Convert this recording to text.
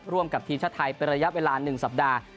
กับทีมชาติไทยเป็นระยะเวลา๑สัปดาห์